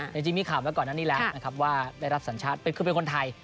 ในจริงมีข่าวว่าก่อนนั้นละได้รับสัญชาติคือเป็นคนไทย